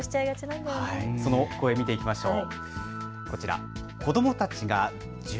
その声、見てみましょう。